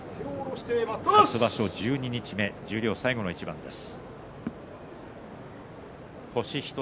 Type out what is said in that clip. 初場所十二日目十両最後の一番です。